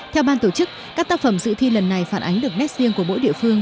theo ban tổ chức các tác phẩm dự thi lần này phản ánh được nét riêng của mỗi địa phương